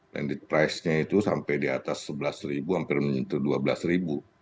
landed price nya itu sampai di atas sebelas ribu hampir menyentuh dua belas ribu